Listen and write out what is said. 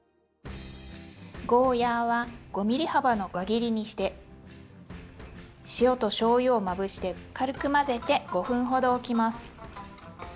ゴーヤーは５ｍｍ幅の輪切りにして塩としょうゆをまぶして軽く混ぜて５分ほどおきます。